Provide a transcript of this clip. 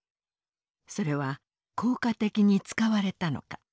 それは効果的に使われたのか。